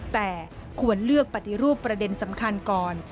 แต่ควรเลือกปฏิรูปประเด็นสำคัญก่อน